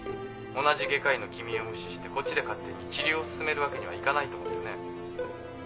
同じ外科医の君を無視してこっちで勝手に治療を進めるわけにはいかないと思ってね。